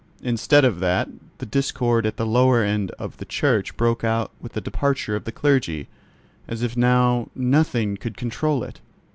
Instead of that, the discord at the lower end of the church broke out with the departure of the clergy, as if now nothing could control it.